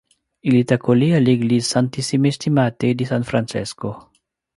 Il est accolé à l'église Santissime Stimmate di San Francesco.